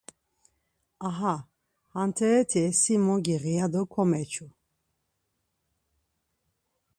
Aha hantereti si mogiği ya do komeçu.